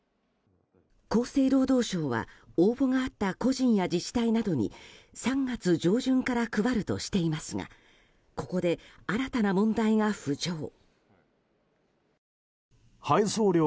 厚生労働省は応募があった個人や自治体などに３月上旬から配るとしていますがここで、新たな問題が浮上。